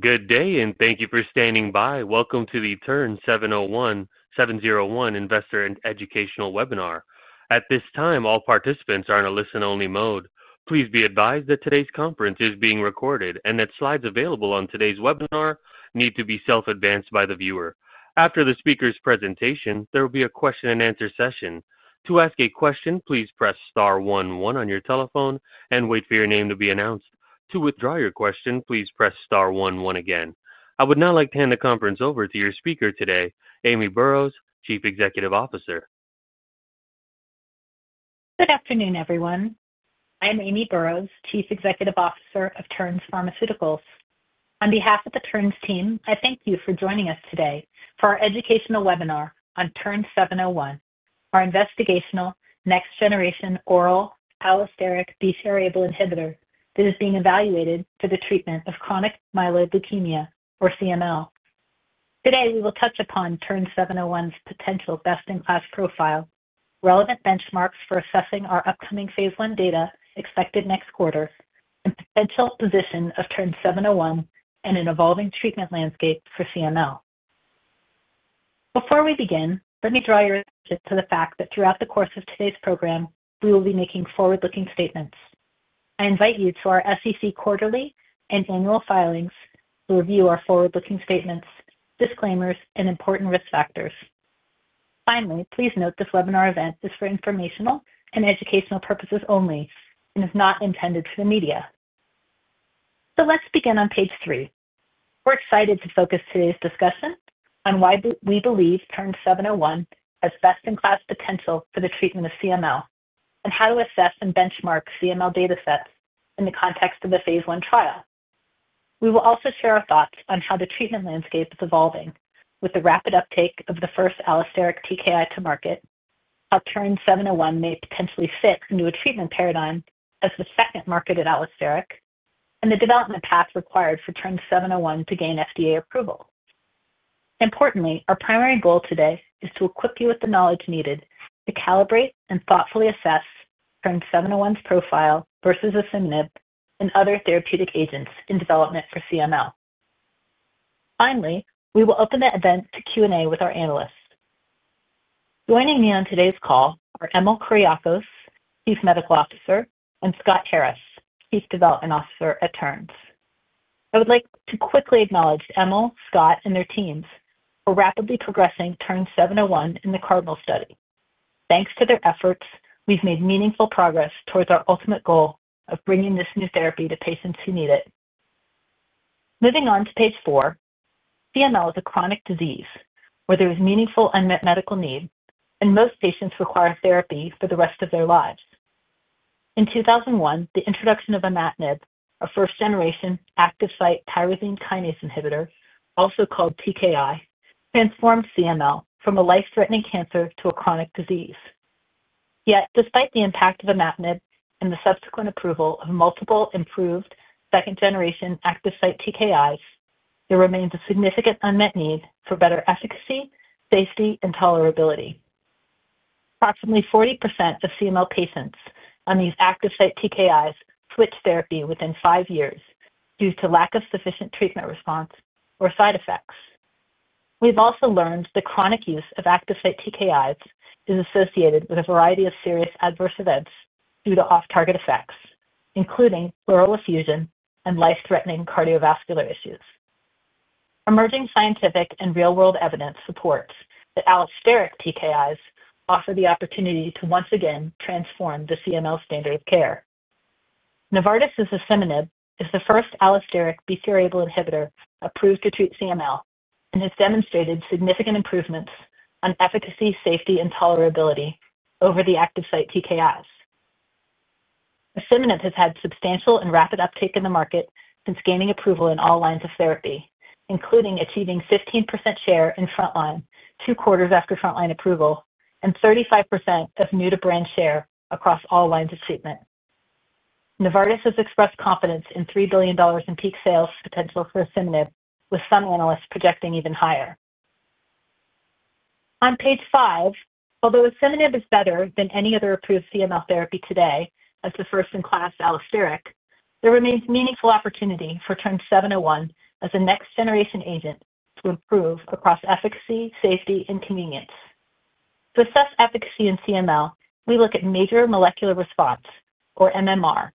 Good day, and thank you for standing by. Welcome to the TERN-701 investor and educational webinar. At this time, all participants are in a listen-only mode. Please be advised that today's conference is being recorded and that slides available on today's webinar need to be self-advanced by the viewer. After the speaker's presentation, there will be a question and answer session. To ask a question, please press star one one on your telephone and wait for your name to be announced. To withdraw your question, please press star one one again. I would now like to hand the conference over to your speaker today, Amy Burroughs, Chief Executive Officer. Good afternoon, everyone. I'm Amy Burroughs, Chief Executive Officer of Terns Pharmaceuticals. On behalf of the Terns team, I thank you for joining us today for our educational webinar on TERN-701, our investigational next-generation oral allosteric BCR-ABL inhibitor that is being evaluated for the treatment of chronic myeloid leukemia, or CML. Today, we will touch upon TERN-701's potential best-in-class profile, relevant benchmarks for assessing our upcoming phase I data expected next quarter, and potential position of TERN-701 in an evolving treatment landscape for CML. Before we begin, let me draw your attention to the fact that throughout the course of today's program, we will be making forward-looking statements. I invite you to our SEC quarterly and annual filings to review our forward-looking statements, disclaimers, and important risk factors. Finally, please note this webinar event is for informational and educational purposes only and is not intended for the media. So let's begin on page three. We're excited to focus today's discussion on why we believe TERN-701 has best-in-class potential for the treatment of CML and how to assess and benchmark CML data sets in the context of the phase I trial. We will also share our thoughts on how the treatment landscape is evolving with the rapid uptake of the first allosteric TKI to market, how TERN-701 may potentially fit into a treatment paradigm as the second marketed allosteric, and the development path required for TERN-701 to gain FDA approval. Importantly, our primary goal today is to equip you with the knowledge needed to calibrate and thoughtfully assess TERN-701's profile versus asciminib and other therapeutic agents in development for CML. Finally, we will open the event to Q&A with our analysts. Joining me on today's call are Emil Kuriakose, Chief Medical Officer, and Scott Harris, Chief Development Officer at Terns. I would like to quickly acknowledge Emil, Scott, and their teams for rapidly progressing TERN-701 in the CARDINAL study. Thanks to their efforts, we've made meaningful progress towards our ultimate goal of bringing this new therapy to patients who need it. Moving on to page four, CML is a chronic disease where there is meaningful unmet medical need, and most patients require therapy for the rest of their lives. In 2001, the introduction of imatinib, a first-generation active site tyrosine kinase inhibitor, also called TKI, transformed CML from a life-threatening cancer to a chronic disease. Yet despite the impact of imatinib and the subsequent approval of multiple improved second-generation active site TKIs, there remains a significant unmet need for better efficacy, safety, and tolerability. Approximately 40% of CML patients on these active site TKIs switch therapy within five years due to lack of sufficient treatment response or side effects. We've also learned that chronic use of active site TKIs is associated with a variety of serious adverse events due to off-target effects, including pleural effusion and life-threatening cardiovascular issues. Emerging scientific and real-world evidence supports that allosteric TKIs offer the opportunity to once again transform the CML standard of care. Novartis's asciminib is the first allosteric BCR-ABL inhibitor approved to treat CML and has demonstrated significant improvements on efficacy, safety, and tolerability over the active site TKIs. Asciminib has had substantial and rapid uptake in the market since gaining approval in all lines of therapy, including achieving 15% share in frontline, two quarters after frontline approval, and 35% of new-to-brand share across all lines of treatment. Novartis has expressed confidence in $3 billion in peak sales potential for asciminib, with some analysts projecting even higher. On page five, although asciminib is better than any other approved CML therapy today as the first-in-class allosteric, there remains meaningful opportunity for TERN-701 as a next-generation agent to improve across efficacy, safety, and convenience. To assess efficacy in CML, we look at major molecular response or MMR,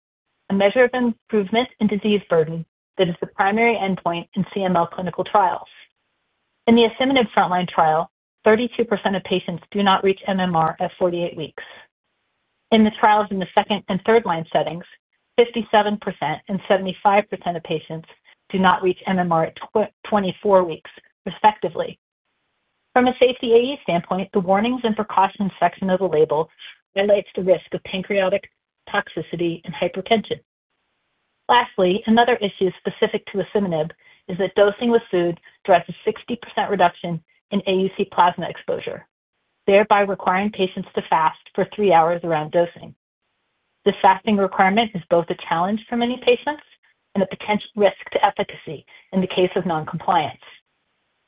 a measure of improvement in disease burden that is the primary endpoint in CML clinical trials. In the asciminib frontline trial, 32% of patients do not reach MMR at 48 weeks. In the trials in the second and third-line settings, 57% and 75% of patients do not reach MMR at twenty-four weeks, respectively. From a safety AE standpoint, the warnings and precautions section of the label highlights the risk of pancreatic toxicity and hypertension. Lastly, another issue specific to asciminib is that dosing with food drives a 60% reduction in AUC plasma exposure, thereby requiring patients to fast for 3 hours around dosing. This fasting requirement is both a challenge for many patients and a potential risk to efficacy in the case of non-compliance.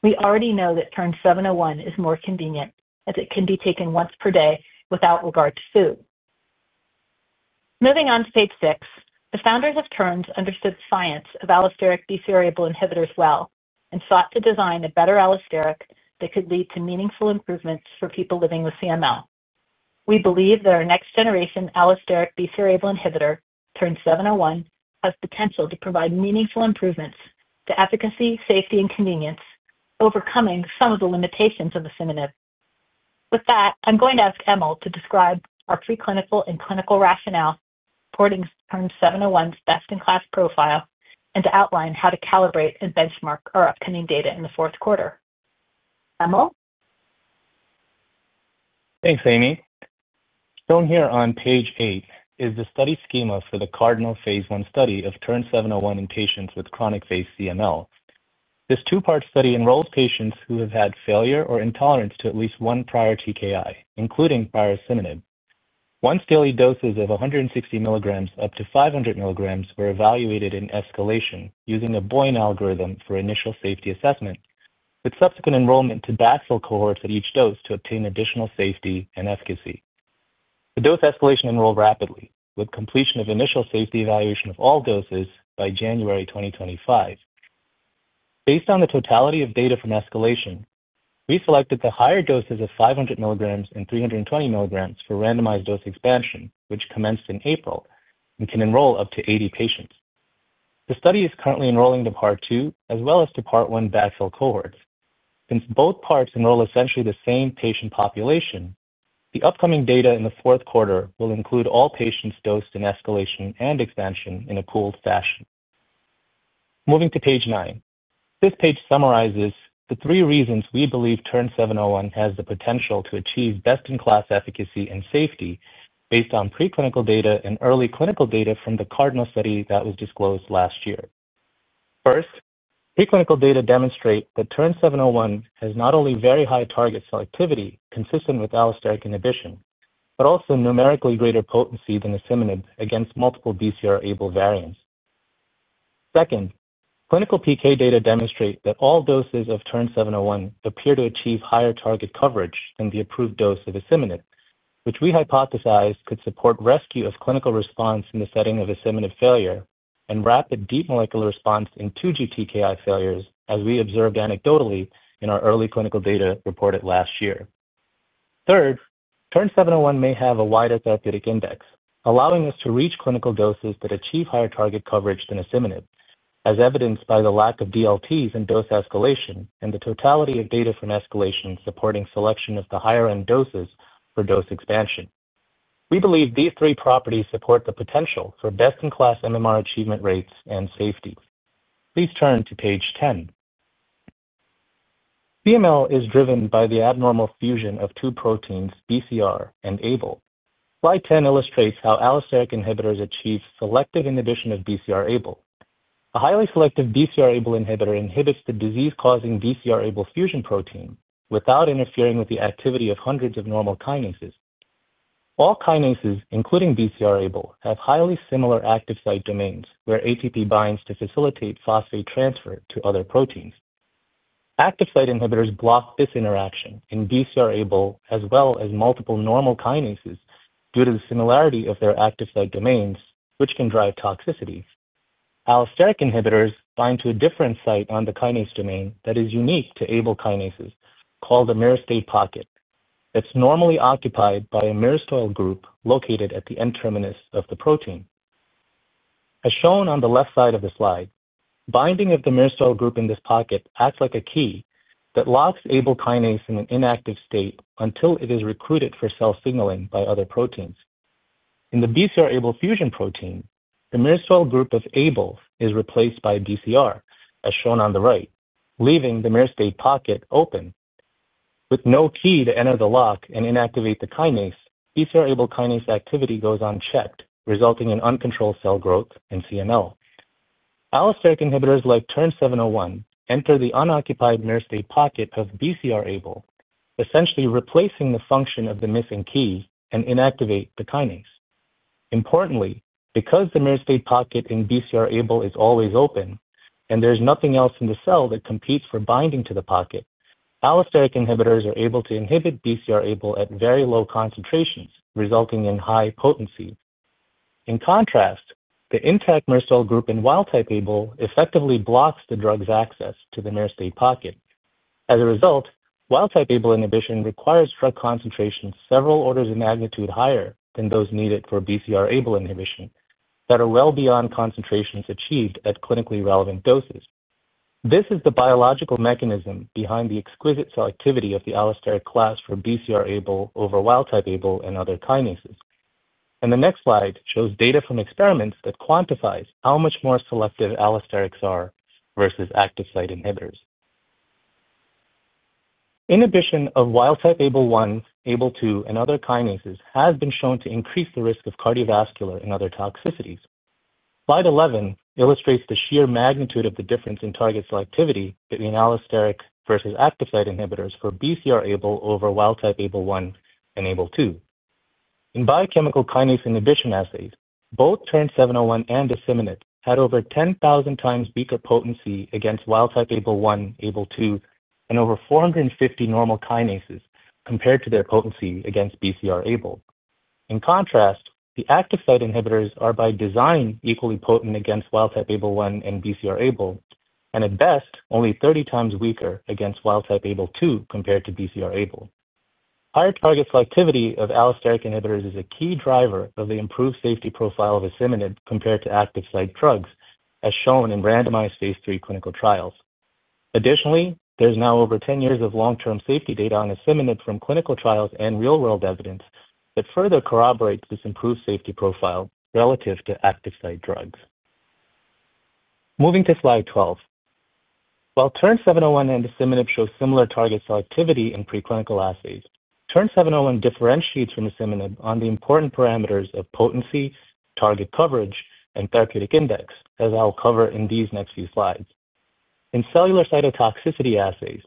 We already know that TERN-701 is more convenient, as it can be taken once per day without regard to food.... Moving on to page six. The founders of Terns understood the science of allosteric BCR-ABL inhibitors well and sought to design a better allosteric that could lead to meaningful improvements for people living with CML. We believe that our next-generation allosteric BCR-ABL inhibitor, TERN-701, has potential to provide meaningful improvements to efficacy, safety, and convenience, overcoming some of the limitations of asciminib. With that, I'm going to ask Emil to describe our preclinical and clinical rationale, supporting TERN-701's best-in-class profile, and to outline how to calibrate and benchmark our upcoming data in the fourth quarter. Emil? Thanks, Amy. Shown here on page eight is the study schema for the CARDINAL phase I study of TERN-701 in patients with chronic phase CML. This two-part study enrolls patients who have had failure or intolerance to at least one prior TKI, including prior asciminib. Once-daily doses of 160 milligrams up to 500 milligrams were evaluated in escalation using a BOIN design for initial safety assessment, with subsequent enrollment to backfill cohorts at each dose to obtain additional safety and efficacy. The dose escalation enrolled rapidly, with completion of initial safety evaluation of all doses by January 2025. Based on the totality of data from escalation, we selected the higher doses of 500 milligrams and 320 milligrams for randomized dose expansion, which commenced in April and can enroll up to 80 patients. The study is currently enrolling to part two as well as to part one backfill cohorts. Since both parts enroll essentially the same patient population, the upcoming data in the fourth quarter will include all patients dosed in escalation and expansion in a pooled fashion. Moving to page nine. This page summarizes the three reasons we believe TERN-701 has the potential to achieve best-in-class efficacy and safety based on preclinical data and early clinical data from the CARDINAL study that was disclosed last year. First, preclinical data demonstrate that TERN-701 has not only very high target selectivity consistent with allosteric inhibition, but also numerically greater potency than asciminib against multiple BCR-ABL variants. Second, clinical PK data demonstrate that all doses of TERN-701 appear to achieve higher target coverage than the approved dose of asciminib, which we hypothesized could support rescue of clinical response in the setting of asciminib failure and rapid deep molecular response in 2G TKI failures, as we observed anecdotally in our early clinical data reported last year. Third, TERN-701 may have a wider therapeutic index, allowing us to reach clinical doses that achieve higher target coverage than asciminib, as evidenced by the lack of DLTs in dose escalation and the totality of data from escalation supporting selection of the higher-end doses for dose expansion. We believe these three properties support the potential for best-in-class MMR achievement rates and safety. Please turn to page 10. CML is driven by the abnormal fusion of two proteins, BCR and ABL. Slide 10 illustrates how allosteric inhibitors achieve selective inhibition of BCR-ABL. A highly selective BCR-ABL inhibitor inhibits the disease-causing BCR-ABL fusion protein without interfering with the activity of hundreds of normal kinases. All kinases, including BCR-ABL, have highly similar active site domains, where ATP binds to facilitate phosphate transfer to other proteins. Active site inhibitors block this interaction in BCR-ABL, as well as multiple normal kinases due to the similarity of their active site domains, which can drive toxicity. Allosteric inhibitors bind to a different site on the kinase domain that is unique to ABL kinases, called the myristate pocket. It's normally occupied by a myristoyl group located at the N-terminus of the protein. As shown on the left side of the slide, binding of the myristoyl group in this pocket acts like a key that locks ABL kinase in an inactive state until it is recruited for cell signaling by other proteins. In the BCR-ABL fusion protein, the myristoyl group of ABL is replaced by BCR, as shown on the right, leaving the myristate pocket open. With no key to enter the lock and inactivate the kinase, BCR-ABL kinase activity goes unchecked, resulting in uncontrolled cell growth and CML. Allosteric inhibitors like TERN-701 enter the unoccupied myristate pocket of BCR-ABL, essentially replacing the function of the missing key, and inactivate the kinase. Importantly, because the myristate pocket in BCR-ABL is always open and there's nothing else in the cell that competes for binding to the pocket, allosteric inhibitors are able to inhibit BCR-ABL at very low concentrations, resulting in high potency. In contrast, the intact myristoyl group in wild-type ABL effectively blocks the drug's access to the myristate pocket. As a result, wild-type ABL inhibition requires drug concentrations several orders of magnitude higher than those needed for BCR-ABL inhibition that are well beyond concentrations achieved at clinically relevant doses. This is the biological mechanism behind the exquisite selectivity of the allosteric class for BCR-ABL over wild-type ABL and other kinases. And the next slide shows data from experiments that quantifies how much more selective allosterics are versus active site inhibitors. Inhibition of wild-type ABL1, ABL2, and other kinases has been shown to increase the risk of cardiovascular and other toxicities. Slide 11 illustrates the sheer magnitude of the difference in target selectivity between allosteric versus active site inhibitors for BCR-ABL over wild-type ABL1 and ABL2. In biochemical kinase inhibition assays, both TERN-701 and asciminib had over 10,000 times weaker potency against wild-type ABL1, ABL2, and over 450 normal kinases compared to their potency against BCR-ABL. In contrast, the active site inhibitors are, by design, equally potent against wild-type ABL1 and BCR-ABL, and at best, only thirty times weaker against wild-type ABL2 compared to BCR-ABL. Higher target selectivity of allosteric inhibitors is a key driver of the improved safety profile of asciminib compared to active site drugs, as shown in randomized phase III clinical trials. Additionally, there's now over 10 years of long-term safety data on asciminib from clinical trials and real-world evidence that further corroborates this improved safety profile relative to active site drugs. Moving to slide 12. While TERN-701 and asciminib show similar target selectivity in preclinical assays, TERN-701 differentiates from asciminib on the important parameters of potency, target coverage, and therapeutic index, as I'll cover in these next few slides. In cellular cytotoxicity assays,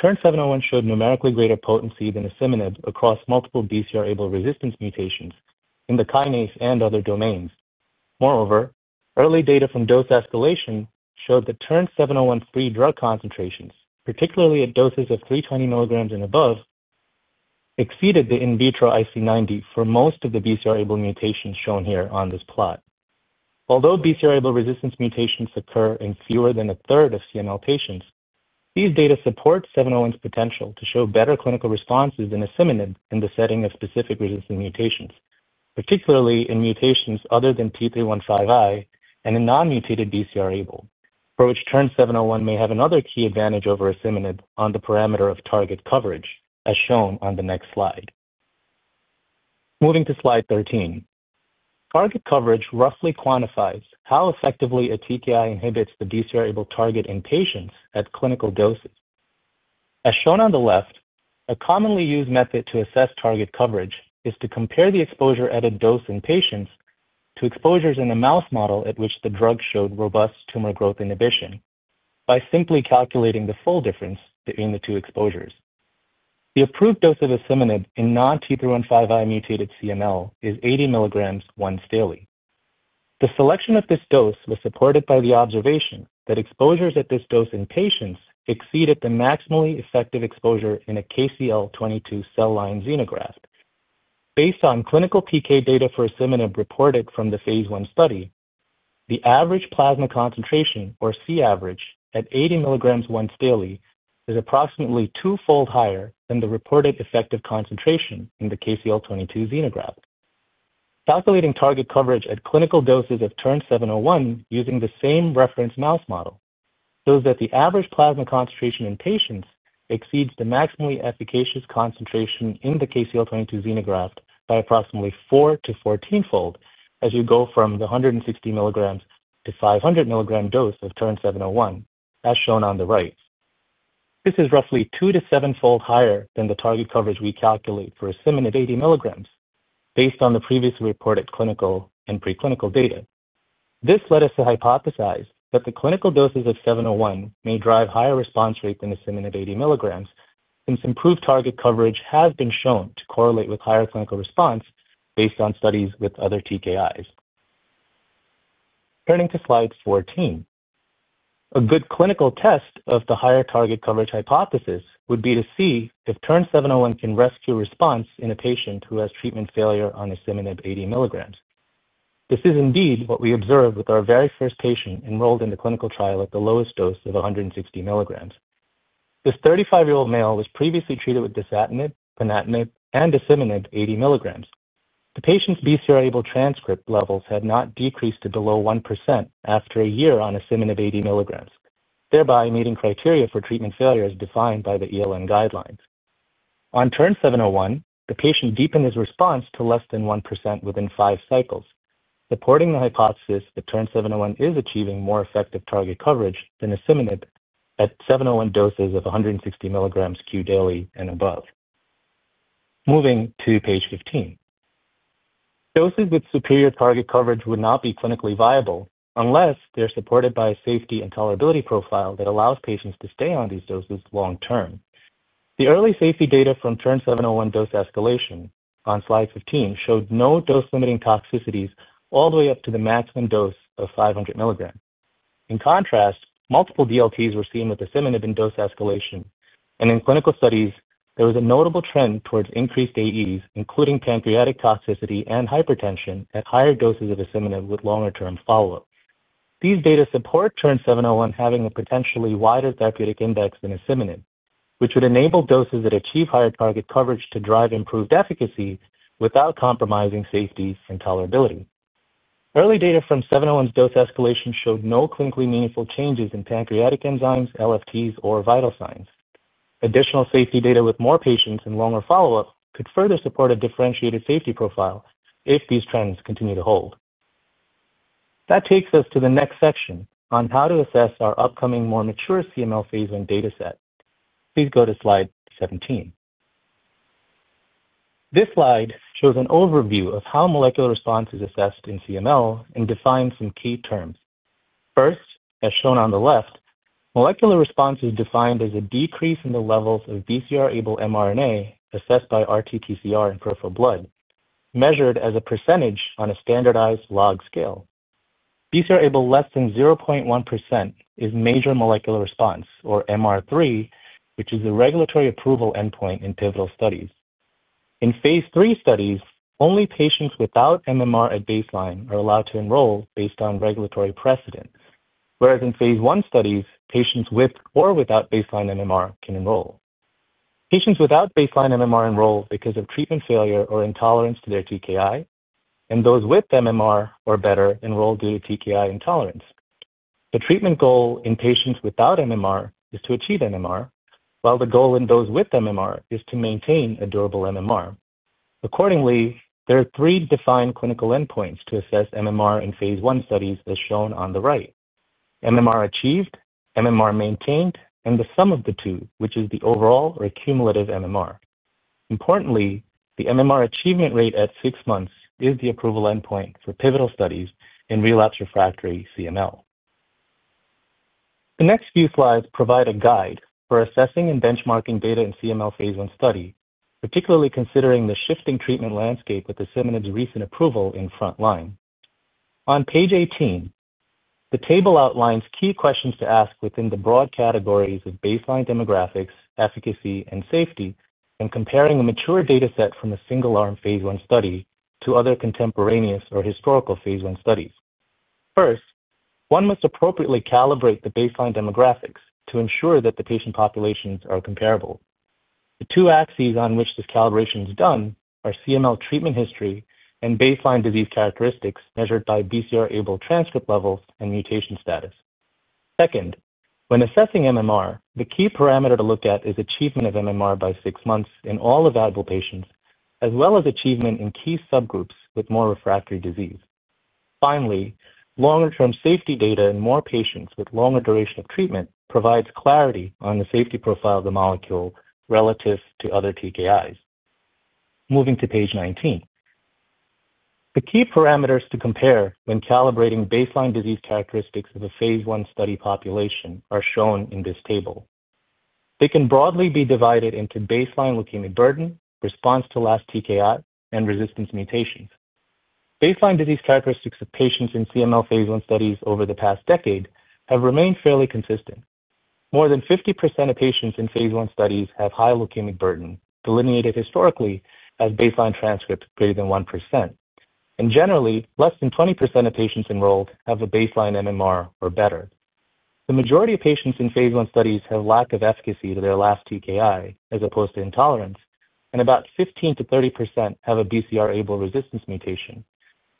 TERN-701 showed numerically greater potency than asciminib across multiple BCR-ABL resistance mutations in the kinase and other domains. Moreover, early data from dose escalation showed that TERN-701 free drug concentrations, particularly at doses of 320 milligrams and above, exceeded the in vitro IC90 for most of the BCR-ABL mutations shown here on this plot. Although BCR-ABL resistance mutations occur in fewer than a third of CML patients, these data support 701's potential to show better clinical responses than asciminib in the setting of specific resistant mutations, particularly in mutations other than T315I and in non-mutated BCR-ABL, for which TERN-701 may have another key advantage over asciminib on the parameter of target coverage, as shown on the next slide. Moving to slide 13. Target coverage roughly quantifies how effectively a TKI inhibits the BCR-ABL target in patients at clinical doses. As shown on the left, a commonly used method to assess target coverage is to compare the exposure at a dose in patients to exposures in a mouse model at which the drug showed robust tumor growth inhibition by simply calculating the full difference between the two exposures. The approved dose of asciminib in non-T315I mutated CML is 80 milligrams once daily. The selection of this dose was supported by the observation that exposures at this dose in patients exceeded the maximally effective exposure in a KCL-22 cell line xenograft. Based on clinical PK data for asciminib reported from the phase I study, the average plasma concentration, or Cavg, at 80 milligrams once daily, is approximately twofold higher than the reported effective concentration in the KCL-22 xenograft. Calculating target coverage at clinical doses of TERN-701 using the same reference mouse model shows that the average plasma concentration in patients exceeds the maximally efficacious concentration in the KCL-22 xenograft by approximately four- to 14-fold as you go from the 160-milligrams to 500-milligram dose of TERN-701, as shown on the right. This is roughly two- to seven-fold higher than the target coverage we calculate for asciminib 80 milligrams based on the previously reported clinical and preclinical data. This led us to hypothesize that the clinical doses of 701 may drive higher response rates than asciminib 80 milligrams, since improved target coverage has been shown to correlate with higher clinical response based on studies with other TKIs. Turning to slide 14. A good clinical test of the higher target coverage hypothesis would be to see if TERN-701 can rescue response in a patient who has treatment failure on asciminib 80 milligrams. This is indeed what we observed with our very first patient enrolled in the clinical trial at the lowest dose of 160 milligrams. This thirty-five-year-old male was previously treated with dasatinib, ponatinib, and asciminib 80 milligrams. The patient's BCR-ABL transcript levels had not decreased to below 1% after a year on asciminib 80 milligrams, thereby meeting criteria for treatment failure as defined by the ELN guidelines. On TERN-701, the patient deepened his response to less than 1% within five cycles, supporting the hypothesis that TERN-701 is achieving more effective target coverage than asciminib at TERN-701 doses of 160 milligrams QD and above. Moving to page 15. Doses with superior target coverage would not be clinically viable unless they're supported by a safety and tolerability profile that allows patients to stay on these doses long term. The early safety data from TERN-701 dose escalation on slide fifteen showed no dose-limiting toxicities all the way up to the maximum dose of five hundred milligrams. In contrast, multiple DLTs were seen with asciminib in dose escalation, and in clinical studies, there was a notable trend towards increased AEs, including pancreatic toxicity and hypertension at higher doses of asciminib with longer term follow-up. These data support TERN-701 having a potentially wider therapeutic index than asciminib, which would enable doses that achieve higher target coverage to drive improved efficacy without compromising safety and tolerability. Early data from TERN-701's dose escalation showed no clinically meaningful changes in pancreatic enzymes, LFTs, or vital signs. Additional safety data with more patients and longer follow-up could further support a differentiated safety profile if these trends continue to hold. That takes us to the next section on how to assess our upcoming, more mature CML phase I data set. Please go to slide 17. This slide shows an overview of how molecular response is assessed in CML and defines some key terms. First, as shown on the left, molecular response is defined as a decrease in the levels of BCR-ABL mRNA assessed by RT-qPCR in peripheral blood, measured as a percentage on a standardized log scale.... BCR-ABL, less than 0.1% is major molecular response, or MR3, which is a regulatory approval endpoint in pivotal studies. In phase III studies, only patients without MMR at baseline are allowed to enroll based on regulatory precedent, whereas in phase I studies, patients with or without baseline MMR can enroll. Patients without baseline MMR enroll because of treatment failure or intolerance to their TKI, and those with MMR or better enroll due to TKI intolerance. The treatment goal in patients without MMR is to achieve MMR, while the goal in those with MMR is to maintain a durable MMR. Accordingly, there are three defined clinical endpoints to assess MMR in phase I studies, as shown on the right: MMR achieved, MMR maintained, and the sum of the two, which is the overall or cumulative MMR. Importantly, the MMR achievement rate at six months is the approval endpoint for pivotal studies in relapsed/refractory CML. The next few slides provide a guide for assessing and benchmarking data in CML phase I study, particularly considering the shifting treatment landscape with asciminib's recent approval in frontline. On page 18, the table outlines key questions to ask within the broad categories of baseline demographics, efficacy, and safety, and comparing a mature data set from a single-arm phase I study to other contemporaneous or historical phase I studies. First, one must appropriately calibrate the baseline demographics to ensure that the patient populations are comparable. The two axes on which this calibration is done are CML treatment history and baseline disease characteristics, measured by BCR-ABL transcript levels and mutation status. Second, when assessing MMR, the key parameter to look at is achievement of MMR by six months in all evaluable patients, as well as achievement in key subgroups with more refractory disease. Finally, longer-term safety data in more patients with longer duration of treatment provides clarity on the safety profile of the molecule relative to other TKIs. Moving to page nineteen. The key parameters to compare when calibrating baseline disease characteristics of a phase I study population are shown in this table. They can broadly be divided into baseline leukemic burden, response to last TKI, and resistance mutations. Baseline disease characteristics of patients in CML phase I studies over the past decade have remained fairly consistent. More than 50% of patients in phase I studies have high leukemic burden, delineated historically as baseline transcripts greater than 1%, and generally, less than 20% of patients enrolled have a baseline MMR or better. The majority of patients in phase I studies have lack of efficacy to their last TKI, as opposed to intolerance, and about 15%-30% have a BCR-ABL resistance mutation,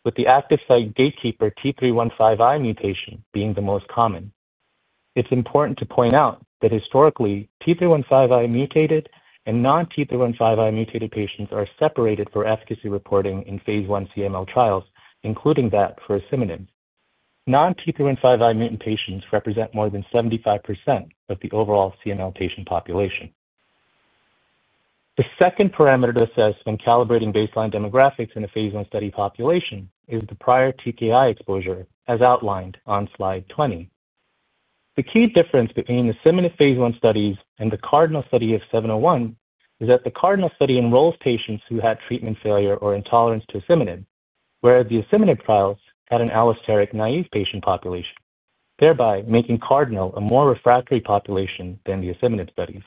with the active site gatekeeper T315I mutation being the most common. It's important to point out that historically, T315I mutated and non-T315I mutated patients are separated for efficacy reporting in phase I CML trials, including that for asciminib. Non-T315I mutant patients represent more than 75% of the overall CML patient population. The second parameter to assess when calibrating baseline demographics in a phase I study population is the prior TKI exposure, as outlined on slide 20. The key difference between asciminib phase I studies and the CARDINAL study of TERN-701 is that the CARDINAL study enrolls patients who had treatment failure or intolerance to asciminib, whereas the asciminib trials had an allosteric-naïve patient population, thereby making CARDINAL a more refractory population than the asciminib studies.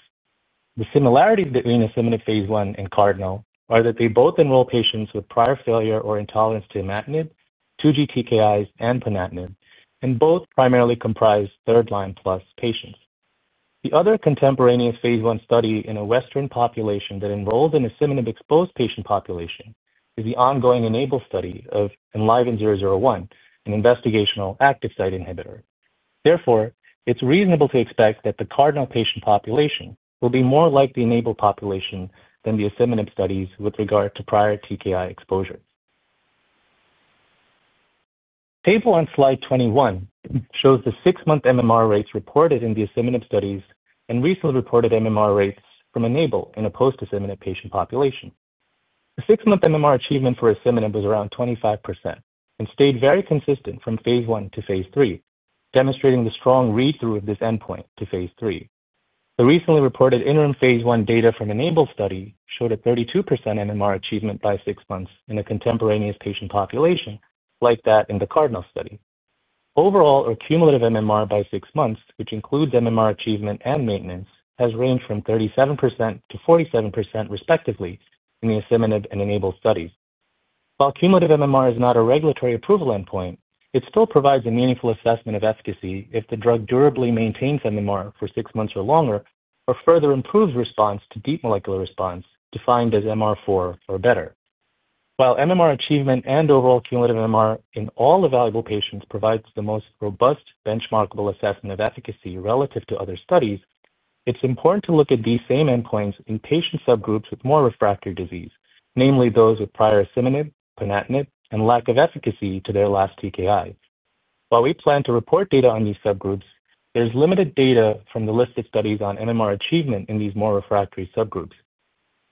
The similarities between asciminib phase I and CARDINAL are that they both enroll patients with prior failure or intolerance to imatinib, two 2G TKIs, and ponatinib, and both primarily comprise third-line-plus patients. The other contemporaneous phase I study in a Western population that enrolled an asciminib-exposed patient population is the ongoing ENABLE study of ELVN-001, an investigational active site inhibitor. Therefore, it's reasonable to expect that the CARDINAL patient population will be more like the ENABLE population than the asciminib studies with regard to prior TKI exposure. Table on slide 21 shows the six-month MMR rates reported in the asciminib studies and recently reported MMR rates from ENABLE in a post-asciminib patient population. The six-month MMR achievement for asciminib was around 25% and stayed very consistent from phase I to phase III, demonstrating the strong read-through of this endpoint to phase III. The recently reported interim phase I data from ENABLE study showed a 32% MMR achievement by six months in a contemporaneous patient population like that in the CARDINAL study. Overall or cumulative MMR by six months, which includes MMR achievement and maintenance, has ranged from 37%-47%, respectively, in the asciminib and ENABLE studies. While cumulative MMR is not a regulatory approval endpoint, it still provides a meaningful assessment of efficacy if the drug durably maintains MMR for six months or longer or further improves response to deep molecular response, defined as MR4 or better. While MMR achievement and overall cumulative MMR in all evaluable patients provides the most robust benchmarkable assessment of efficacy relative to other studies, it's important to look at these same endpoints in patient subgroups with more refractory disease, namely those with prior asciminib, ponatinib, and lack of efficacy to their last TKI. While we plan to report data on these subgroups, there's limited data from the listed studies on MMR achievement in these more refractory subgroups.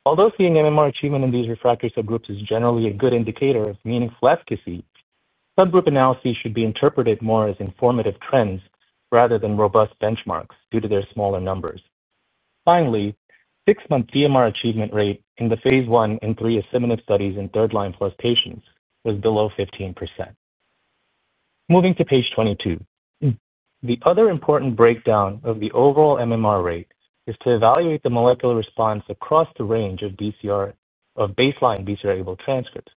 Although seeing MMR achievement in these refractory subgroups is generally a good indicator of meaningful efficacy, subgroup analysis should be interpreted more as informative trends rather than robust benchmarks due to their smaller numbers. Finally, six-month CMR achievement rate in the phase one and three asciminib studies in third-line plus patients was below 15%. Moving to page twenty-two, the other important breakdown of the overall MMR rate is to evaluate the molecular response across the range of BCR, of baseline BCR-ABL transcripts.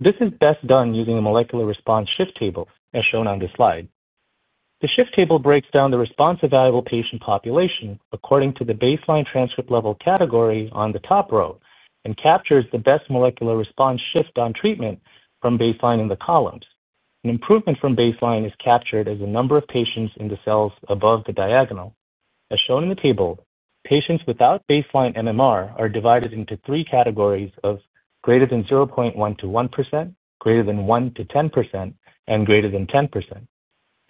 This is best done using a molecular response shift table, as shown on this slide. The shift table breaks down the response evaluable patient population according to the baseline transcript level category on the top row and captures the best molecular response shift on treatment from baseline in the columns. An improvement from baseline is captured as the number of patients in the cells above the diagonal. As shown in the table, patients without baseline MMR are divided into three categories of greater than 0.1%-1%, greater than 1%-10%, and greater than 10%.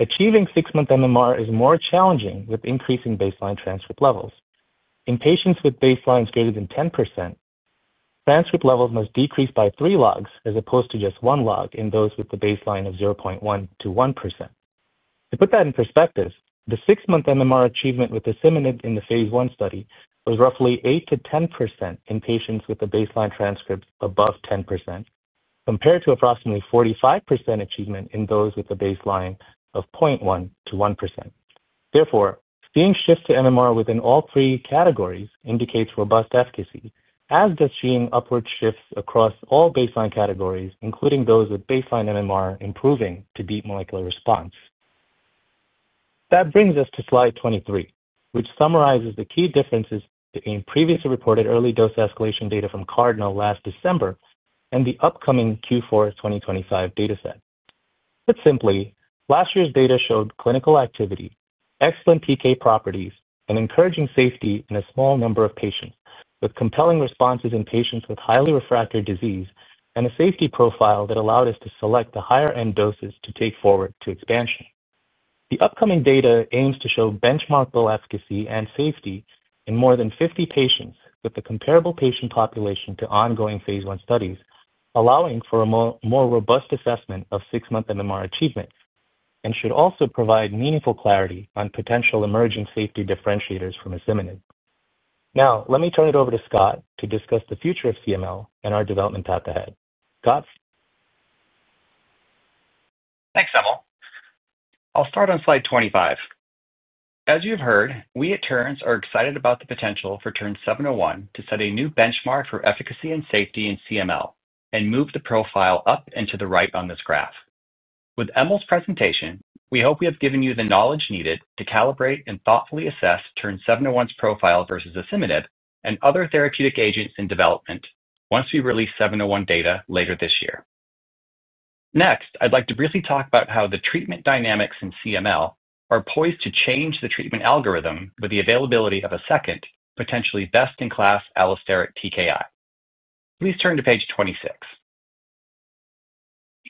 Achieving six-month MMR is more challenging with increasing baseline transcript levels. In patients with baselines greater than 10%, transcript levels must decrease by three logs as opposed to just one log in those with the baseline of 0.1%-1%. To put that in perspective, the six-month MMR achievement with asciminib in the phase I study was roughly 8%-10% in patients with a baseline transcript above 10%, compared to approximately 45% achievement in those with a baseline of 0.1%-1%. Therefore, seeing shifts to MMR within all three categories indicates robust efficacy, as does seeing upward shifts across all baseline categories, including those with baseline MMR improving to deep molecular response. That brings us to slide 23, which summarizes the key differences in previously reported early dose escalation data from CARDINAL last December and the upcoming Q4-2025 dataset. Put simply, last year's data showed clinical activity, excellent PK properties, and encouraging safety in a small number of patients, with compelling responses in patients with highly refractory disease and a safety profile that allowed us to select the higher-end doses to take forward to expansion. The upcoming data aims to show benchmarkable efficacy and safety in more than fifty patients with a comparable patient population to ongoing phase I studies, allowing for a more robust assessment of six-month MMR achievement and should also provide meaningful clarity on potential emerging safety differentiators from asciminib. Now, let me turn it over to Scott to discuss the future of CML and our development path ahead. Scott? Thanks, Emil. I'll start on slide 25. As you've heard, we at Terns are excited about the potential for TERN-701 to set a new benchmark for efficacy and safety in CML and move the profile up and to the right on this graph. With Emil's presentation, we hope we have given you the knowledge needed to calibrate and thoughtfully assess TERN-701's profile versus asciminib and other therapeutic agents in development once we release 701 data later this year. Next, I'd like to briefly talk about how the treatment dynamics in CML are poised to change the treatment algorithm with the availability of a second, potentially best-in-class allosteric TKI. Please turn to page 26.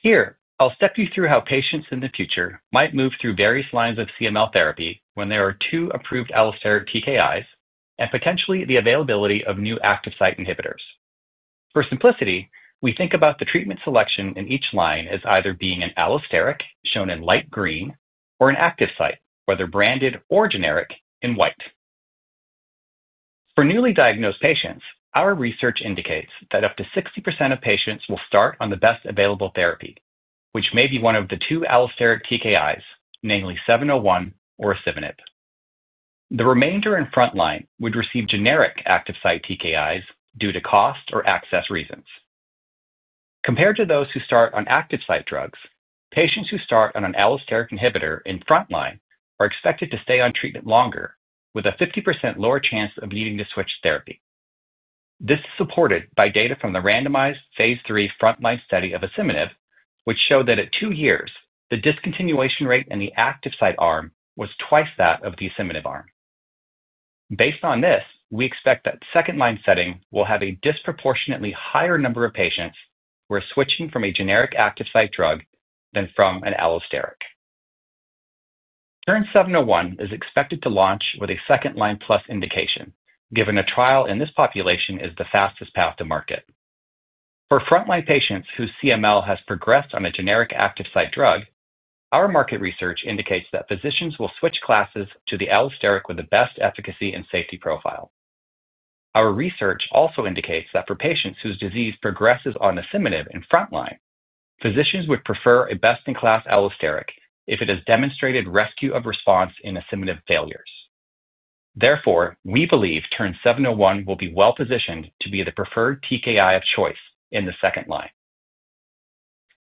Here, I'll step you through how patients in the future might move through various lines of CML therapy when there are two approved allosteric TKIs and potentially the availability of new active site inhibitors. For simplicity, we think about the treatment selection in each line as either being an allosteric, shown in light green, or an active site, whether branded or generic, in white. For newly diagnosed patients, our research indicates that up to 60% of patients will start on the best available therapy, which may be one of the two allosteric TKIs, namely 701 or asciminib. The remainder in frontline would receive generic active site TKIs due to cost or access reasons. Compared to those who start on active site drugs, patients who start on an allosteric inhibitor in frontline are expected to stay on treatment longer, with a 50% lower chance of needing to switch therapy. This is supported by data from the randomized phase III frontline study of asciminib, which showed that at two years, the discontinuation rate in the active site arm was twice that of the asciminib arm. Based on this, we expect that second-line setting will have a disproportionately higher number of patients who are switching from a generic active site drug than from an allosteric. TERN-701 is expected to launch with a second-line plus indication, given a trial in this population is the fastest path to market. For frontline patients whose CML has progressed on a generic active site drug, our market research indicates that physicians will switch classes to the allosteric with the best efficacy and safety profile. Our research also indicates that for patients whose disease progresses on asciminib in frontline, physicians would prefer a best-in-class allosteric if it has demonstrated rescue of response in asciminib failures. Therefore, we believe TERN-701 will be well-positioned to be the preferred TKI of choice in the second line.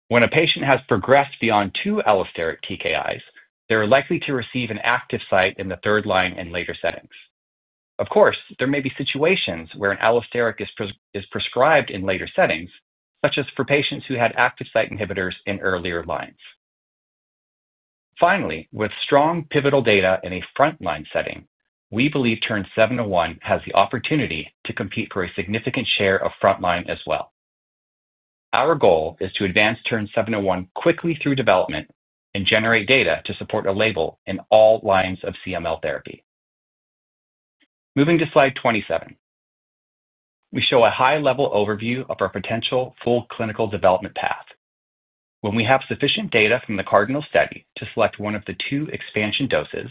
When a patient has progressed beyond two allosteric TKIs, they are likely to receive an active site in the third line in later settings. Of course, there may be situations where an allosteric is prescribed in later settings, such as for patients who had active site inhibitors in earlier lines. Finally, with strong pivotal data in a frontline setting, we believe TERN-701 has the opportunity to compete for a significant share of frontline as well. Our goal is to advance TERN-701 quickly through development and generate data to support a label in all lines of CML therapy. Moving to slide 27. We show a high-level overview of our potential full clinical development path. When we have sufficient data from the CARDINAL study to select one of the two expansion doses,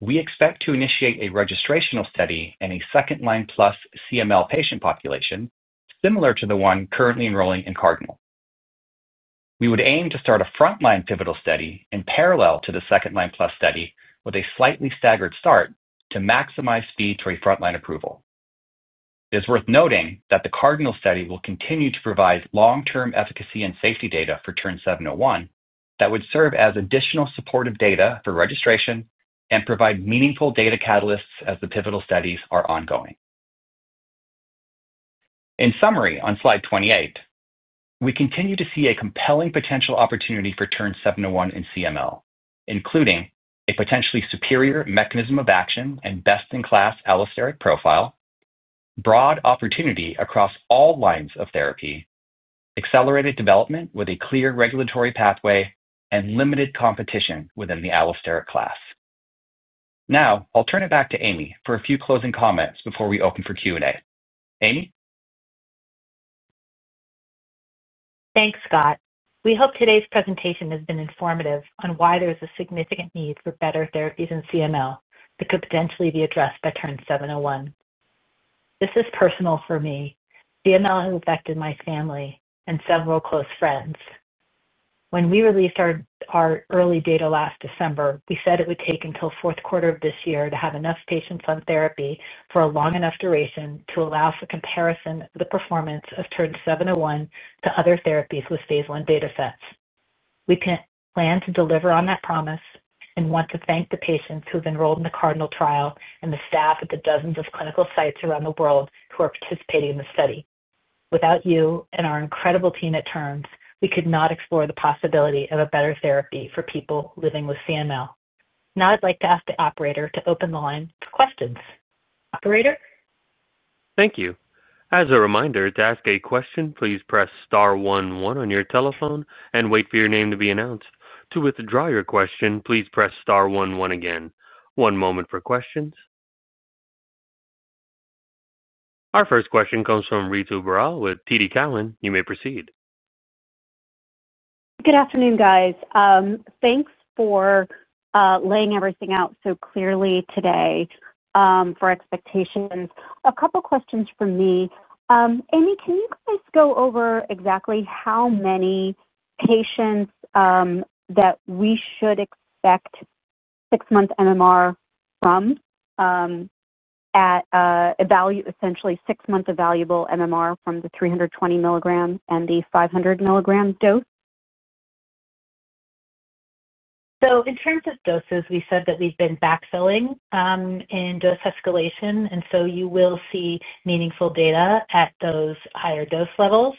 we expect to initiate a registrational study in a second-line-plus CML patient population, similar to the one currently enrolling in CARDINAL. We would aim to start a frontline pivotal study in parallel to the second-line-plus study, with a slightly staggered start to maximize speed to a frontline approval. It's worth noting that the CARDINAL study will continue to provide long-term efficacy and safety data for TERN-701 that would serve as additional supportive data for registration and provide meaningful data catalysts as the pivotal studies are ongoing. In summary, on Slide 28, we continue to see a compelling potential opportunity for TERN-701 in CML, including a potentially superior mechanism of action and best-in-class allosteric profile, broad opportunity across all lines of therapy, accelerated development with a clear regulatory pathway, and limited competition within the allosteric class. Now, I'll turn it back to Amy for a few closing comments before we open for Q&A. Amy? Thanks, Scott. We hope today's presentation has been informative on why there is a significant need for better therapies in CML that could potentially be addressed by TERN-701. This is personal for me. CML has affected my family and several close friends. When we released our early data last December, we said it would take until fourth quarter of this year to have enough patients on therapy for a long enough duration to allow for comparison of the performance of TERN-701 to other therapies with phase I data sets. We plan to deliver on that promise and want to thank the patients who've enrolled in the CARDINAL trial and the staff at the dozens of clinical sites around the world who are participating in the study. Without you and our incredible team at Terns, we could not explore the possibility of a better therapy for people living with CML. Now, I'd like to ask the operator to open the line for questions. Operator? Thank you. As a reminder, to ask a question, please press star one one on your telephone and wait for your name to be announced. To withdraw your question, please press star one one again. One moment for questions. Our first question comes from Ritu Baral with TD Cowen. You may proceed. Good afternoon, guys. Thanks for laying everything out so clearly today for expectations. A couple questions from me. Amy, can you please go over exactly how many patients that we should expect six-month MMR from at essentially six-month evaluable MMR from the 300 mg and the 500 mg dose? In terms of doses, we said that we've been backfilling in dose escalation, and so you will see meaningful data at those higher dose levels.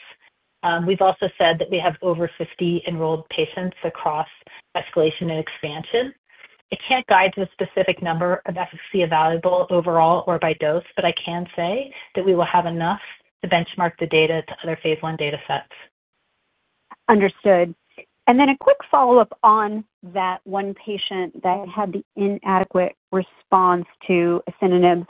We've also said that we have over 50 enrolled patients across escalation and expansion. I can't guide to a specific number of efficacy evaluable overall or by dose, but I can say that we will have enough to benchmark the data to other phase I data sets. Understood. And then a quick follow-up on that one patient that had the inadequate response to asciminib,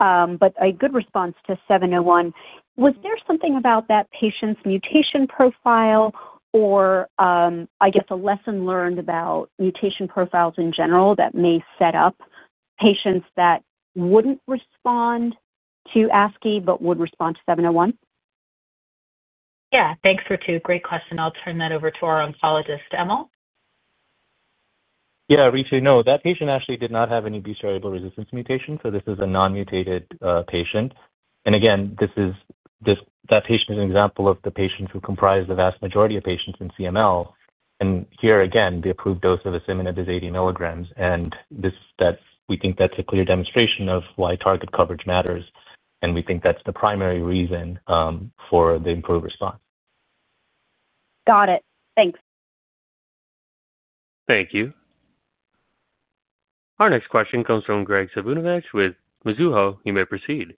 but a good response to 701. Was there something about that patient's mutation profile or, I guess, a lesson learned about mutation profiles in general that may set up patients that wouldn't respond to asciminib but would respond to 701? Yeah. Thanks, Ritu. Great question. I'll turn that over to our oncologist, Emil. Yeah, Ritu, no, that patient actually did not have any BCR-ABL resistance mutation, so this is a non-mutated patient. And again, this is... That patient is an example of the patients who comprise the vast majority of patients in CML. And here, again, the approved dose of asciminib is 80 milligrams, and that we think that's a clear demonstration of why target coverage matters, and we think that's the primary reason for the improved response. Got it. Thanks. Thank you. Our next question comes from Graig Suvannavejh with Mizuho. You may proceed.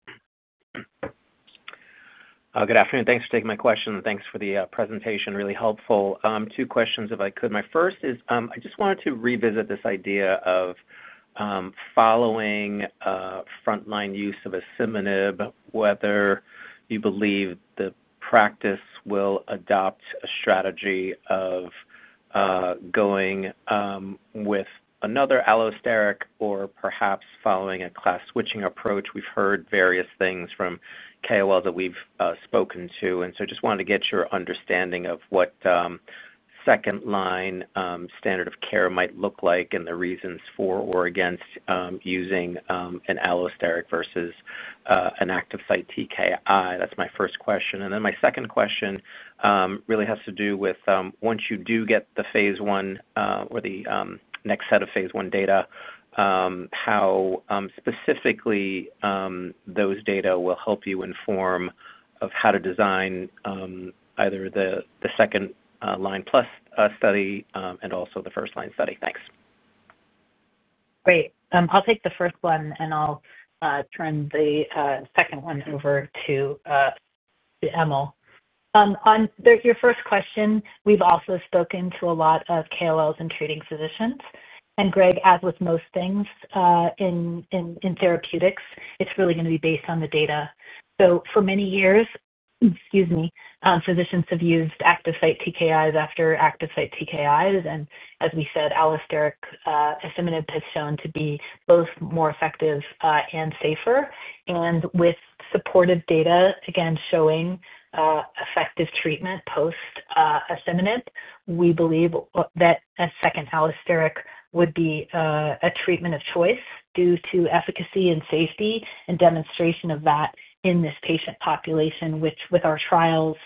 Good afternoon. Thanks for taking my question, and thanks for the presentation. Really helpful. Two questions if I could. My first is, I just wanted to revisit this idea of following frontline use of asciminib, whether you believe the practice will adopt a strategy of going with another allosteric or perhaps following a class-switching approach. We've heard various things from KOL that we've spoken to, and so just wanted to get your understanding of what second-line standard of care might look like and the reasons for or against using an allosteric versus an active site TKI. That's my first question. Then my second question really has to do with once you do get the phase I or the next set of phase I data how specifically those data will help you inform of how to design either the second line plus study and also the first-line study? Thanks. Great. I'll take the first one, and I'll turn the second one over to Emil. On your first question, we've also spoken to a lot of KOLs and treating physicians. And, Graig, as with most things in therapeutics, it's really gonna be based on the data. So for many years, physicians have used active site TKIs after active site TKIs. And as we said, allosteric asciminib has shown to be both more effective and safer. And with supportive data, again, showing effective treatment post asciminib, we believe that a second allosteric would be a treatment of choice due to efficacy and safety and demonstration of that in this patient population, which with our trials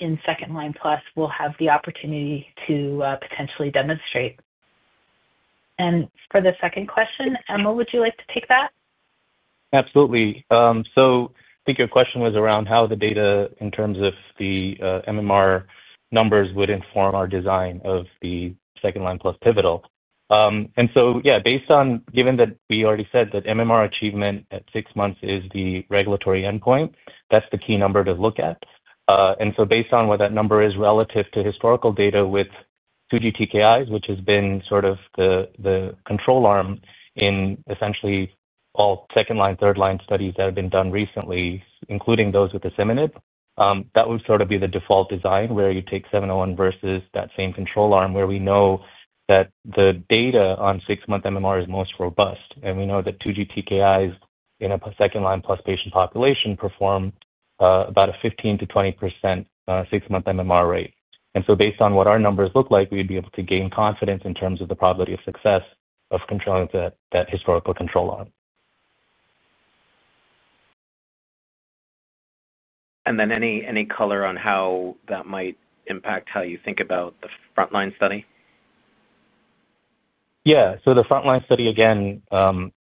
in second-line plus, we'll have the opportunity to potentially demonstrate. And for the second question, Emil, would you like to take that? Absolutely. So I think your question was around how the data, in terms of the MMR numbers, would inform our design of the second-line plus pivotal. And so, yeah, based on, given that we already said that MMR achievement at six months is the regulatory endpoint, that's the key number to look at. And so based on what that number is relative to historical data with 2G TKIs, which has been sort of the control arm in essentially all second-line, third-line studies that have been done recently, including those with asciminib, that would sort of be the default design, where you take 701 versus that same control arm, where we know that the data on six-month MMR is most robust, and we know that 2G TKIs in a second-line plus patient population perform about a 15%-20% six-month MMR rate. And so based on what our numbers look like, we'd be able to gain confidence in terms of the probability of success of controlling that historical control arm. And then any color on how that might impact how you think about the frontline study? Yeah. So the frontline study, again,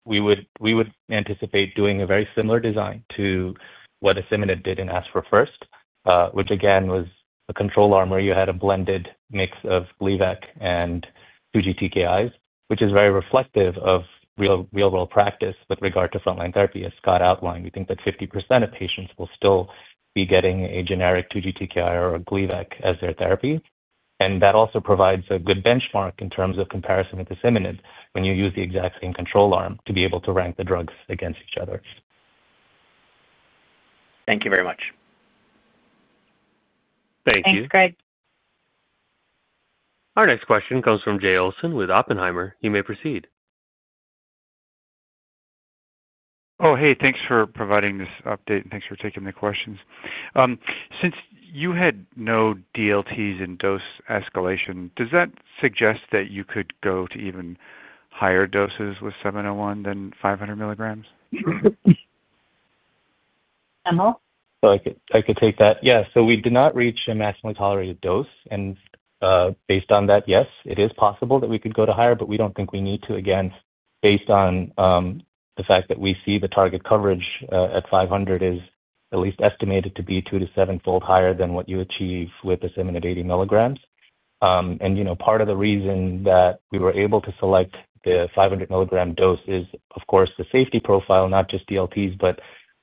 we would anticipate doing a very similar design to what asciminib did in ASC4FIRST, which again, was a control arm where you had a blended mix of Gleevec and 2G TKIs, which is very reflective of real-world practice with regard to frontline therapy. As Scott outlined, we think that 50% of patients will still be getting a generic 2G TKI or a Gleevec as their therapy. And that also provides a good benchmark in terms of comparison with asciminib when you use the exact same control arm to be able to rank the drugs against each other. Thank you very much. Thank you. Thanks, Graig. Our next question comes from Jay Olson with Oppenheimer. You may proceed. Oh, hey, thanks for providing this update, and thanks for taking the questions. Since you had no DLTs in dose escalation, does that suggest that you could go to even higher doses with 701 than five hundred milligrams? Emil? So I could take that. Yeah, so we did not reach a maximally tolerated dose, and based on that, yes, it is possible that we could go to higher, but we don't think we need to, again based on the fact that we see the target coverage at 500 is at least estimated to be two- to sevenfold higher than what you achieve with asciminib 80 milligrams. And you know, part of the reason that we were able to select the five hundred milligram dose is, of course, the safety profile, not just DLTs, but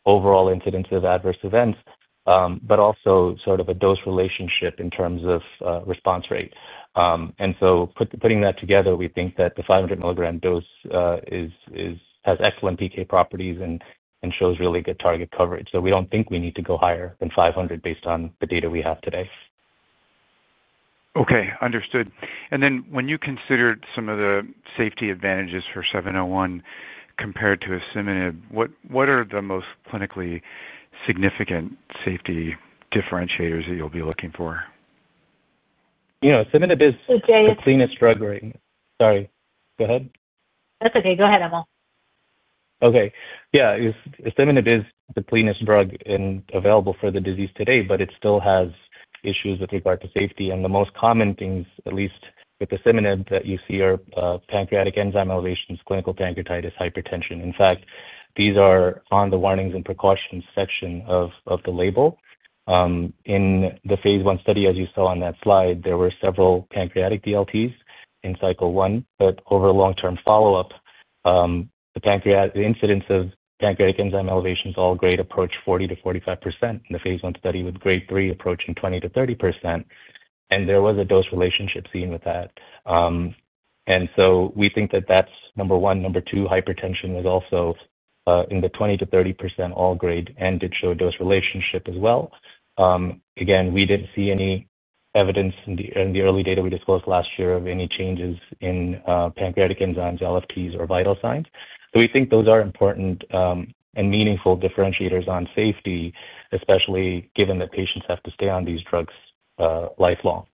overall incidences of adverse events, but also sort of a dose relationship in terms of response rate. And so putting that together, we think that the 500 milligram dose is has excellent PK properties and shows really good target coverage. We don't think we need to go higher than 500 based on the data we have today. Okay, understood. And then when you considered some of the safety advantages for 701 compared to asciminib, what are the most clinically significant safety differentiators that you'll be looking for? You know, asciminib is- Hey, Jay... the cleanest drug, right? Sorry, go ahead. That's okay. Go ahead, Emil. Okay. Yeah. Asciminib is the cleanest drug in available for the disease today, but it still has issues with regard to safety. And the most common things, at least with asciminib, that you see, are pancreatic enzyme elevations, clinical pancreatitis, hypertension. In fact, these are on the warnings and precautions section of the label. In the phase I study, as you saw on that slide, there were several pancreatic DLTs in cycle 1. But over long-term follow-up, the incidence of pancreatic enzyme elevations, all grade approach 40%-45% in the phase I study, with grade 3 approaching 20%-30%, and there was a dose relationship seen with that. And so we think that that's number one. Number two, hypertension was also in the 20%-30%, all grade, and did show dose relationship as well. Again, we didn't see any evidence in the early data we disclosed last year of any changes in pancreatic enzymes, LFTs, or vital signs. So we think those are important and meaningful differentiators on safety, especially given that patients have to stay on these drugs lifelong.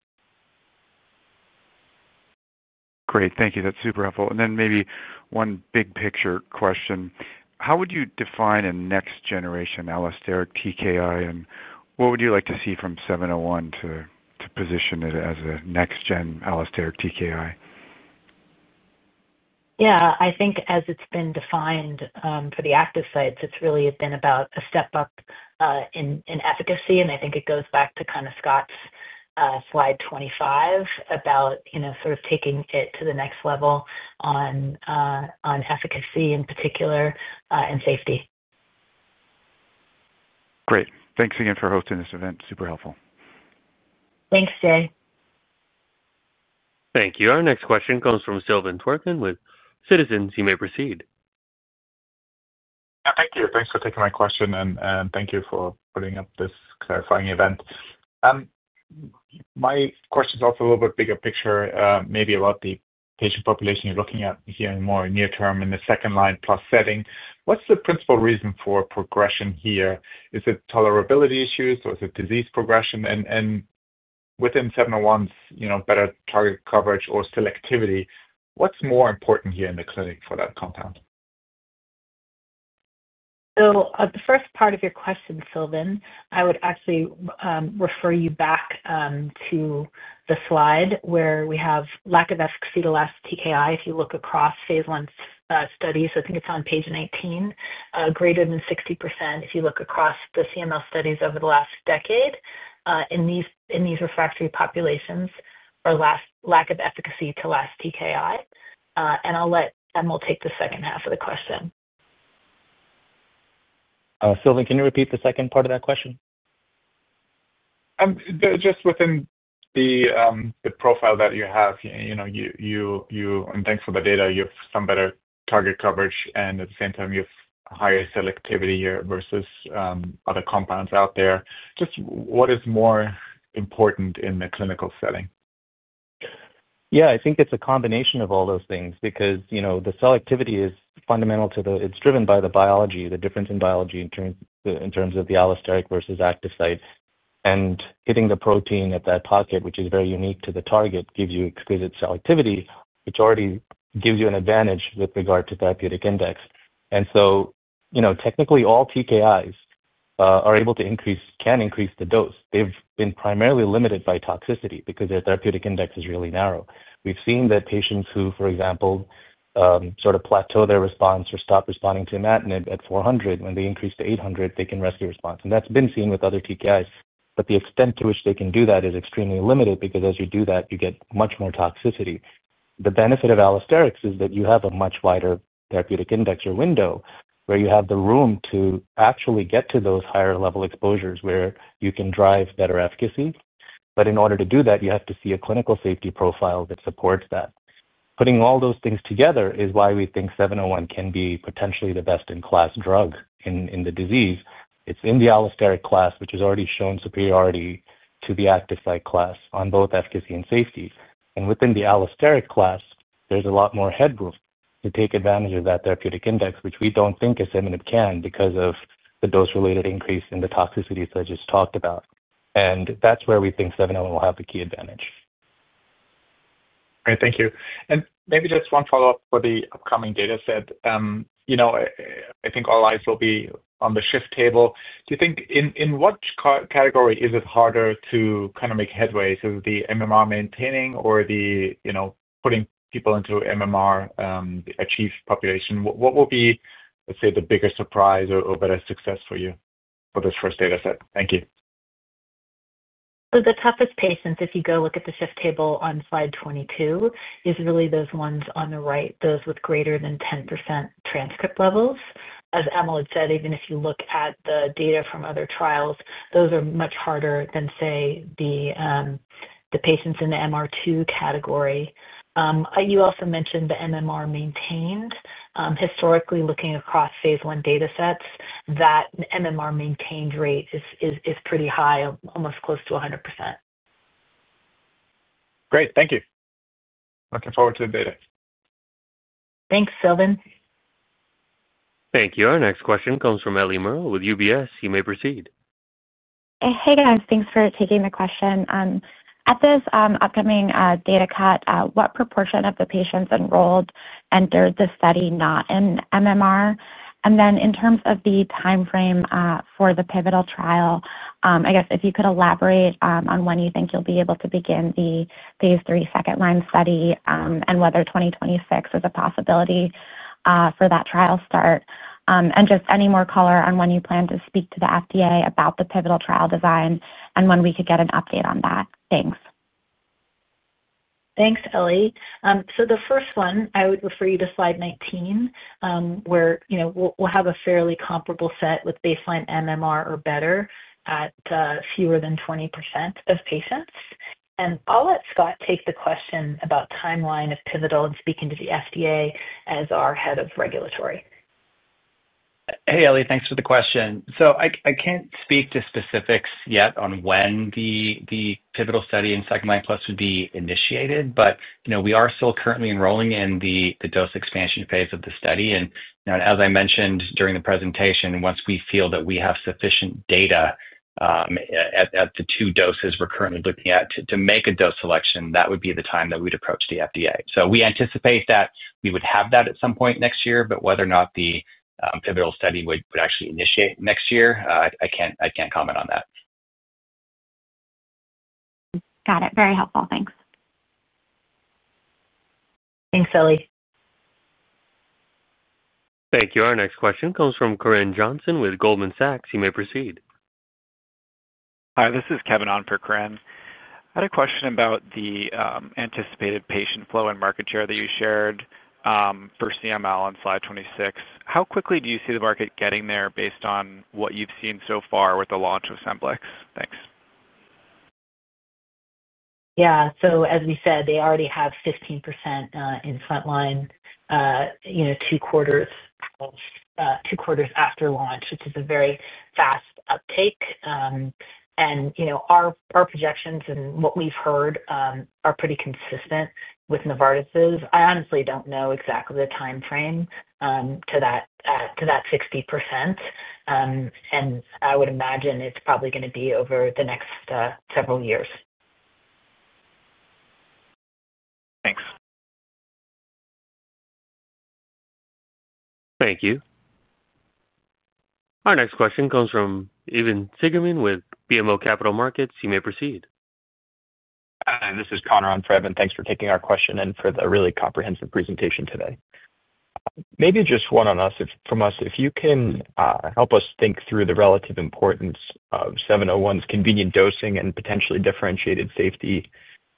Great. Thank you. That's super helpful. And then maybe one big picture question: How would you define a next-generation allosteric TKI, and what would you like to see from 701 to, to position it as a next-gen allosteric TKI? Yeah. I think as it's been defined, for the active sites, it's really been about a step up, in efficacy, and I think it goes back to kind of Scott's slide 25 about, you know, sort of taking it to the next level on, on efficacy in particular, and safety. Great. Thanks again for hosting this event. Super helpful. Thanks, Jay. Thank you. Our next question comes from Silvan Türkcan with Citizens. You may proceed. Thank you. Thanks for taking my question, and thank you for putting up this clarifying event. My question is also a little bit bigger picture, maybe about the patient population you're looking at here in more near term, in the second line plus setting. What's the principal reason for progression here? Is it tolerability issues, or is it disease progression? And within 701, you know, better target coverage or selectivity, what's more important here in the clinic for that compound? The first part of your question, Silvan, I would actually refer you back to the slide where we have lack of efficacy to last TKI. If you look across phase I studies, I think it's on page 19, greater than 60% if you look across the CML studies over the last decade, in these refractory populations, are lack of efficacy to last TKI. And I'll let Emil take the second half of the question. Silvan, can you repeat the second part of that question? Just within the profile that you have, you know, and thanks for the data, you have some better target coverage, and at the same time, you have higher selectivity here versus other compounds out there. Just what is more important in the clinical setting? Yeah, I think it's a combination of all those things because, you know, the selectivity is fundamental to the... It's driven by the biology, the difference in biology in terms of the allosteric versus active sites. And hitting the protein at that pocket, which is very unique to the target, gives you exquisite selectivity, which already gives you an advantage with regard to therapeutic index. And so, you know, technically, all TKIs are able to increase, can increase the dose. They've been primarily limited by toxicity because their therapeutic index is really narrow. We've seen that patients who, for example, sort of plateau their response or stop responding to imatinib at four hundred, when they increase to eight hundred, they can rescue response, and that's been seen with other TKIs. But the extent to which they can do that is extremely limited because as you do that, you get much more toxicity. The benefit of allosterics is that you have a much wider therapeutic index or window, where you have the room to actually get to those higher level exposures, where you can drive better efficacy. But in order to do that, you have to see a clinical safety profile that supports that. Putting all those things together is why we think 701 can be potentially the best-in-class drug in the disease. It's in the allosteric class, which has already shown superiority to the active site class on both efficacy and safety. Within the allosteric class, there's a lot more head room to take advantage of that therapeutic index, which we don't think asciminib can because of the dose-related increase in the toxicities I just talked about, and that's where we think 701 will have the key advantage. Great, thank you. And maybe just one follow-up for the upcoming data set. You know, I think all eyes will be on the shift table. Do you think in what category is it harder to kind of make headway? So the MMR maintaining or the, you know, putting people into MMR, achieve population? What will be, let's say, the biggest surprise or better success for you for this first data set? Thank you. So the toughest patients, if you go look at the shift table on slide 22, is really those ones on the right, those with greater than 10% transcript levels. As Emil had said, even if you look at the data from other trials, those are much harder than, say, the patients in the MR2 category. You also mentioned the MMR maintained. Historically, looking across phase I data sets, that MMR maintained rate is pretty high, almost close to 100%. Great. Thank you. Looking forward to the data. Thanks, Silvan. Thank you. Our next question comes from Ellie Merle with UBS. You may proceed. Hey, guys. Thanks for taking the question. At this upcoming data cut, what proportion of the patients enrolled entered the study not in MMR? And then in terms of the timeframe for the pivotal trial, I guess if you could elaborate on when you think you'll be able to begin the phase III second line study, and whether 2026 is a possibility for that trial start. And just any more color on when you plan to speak to the FDA about the pivotal trial design and when we could get an update on that. Thanks. Thanks, Ellie. So the first one, I would refer you to slide 19, where, you know, we'll have a fairly comparable set with baseline MMR or better at fewer than 20% of patients. And I'll let Scott take the question about timeline of pivotal and speaking to the FDA as our head of regulatory. Hey, Ellie, thanks for the question. So I can't speak to specifics yet on when the pivotal study and second line plus would be initiated, but, you know, we are still currently enrolling in the dose expansion phase of the study. And, you know, as I mentioned during the presentation, once we feel that we have sufficient data at the two doses we're currently looking at to make a dose selection, that would be the time that we'd approach the FDA. So we anticipate that we would have that at some point next year, but whether or not the pivotal study would actually initiate next year, I can't comment on that. Got it. Very helpful. Thanks.... Thanks, Ellie. Thank you. Our next question comes from Corinne Johnson with Goldman Sachs. You may proceed. Hi, this is Kevin on for Corinne. I had a question about the anticipated patient flow and market share that you shared for CML on slide twenty-six. How quickly do you see the market getting there based on what you've seen so far with the launch of Scemblix? Thanks. Yeah. So as we said, they already have 15% in frontline, you know, two quarters after launch, which is a very fast uptake. And, you know, our projections and what we've heard are pretty consistent with Novartis's. I honestly don't know exactly the timeframe to that 60%. And I would imagine it's probably gonna be over the next several years. Thanks. Thank you. Our next question comes from Evan Seigerman with BMO Capital Markets. You may proceed. Hi, this is Connor on for Evan. Thanks for taking our question and for the really comprehensive presentation today. Maybe just one on us, from us, if you can help us think through the relative importance of 701 convenient dosing and potentially differentiated safety